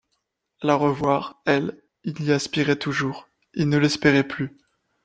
La revoir, elle ; il y aspirait toujours, il ne l’espérait plus.